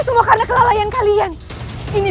papu kpar maksimal untuk kamu semua tuh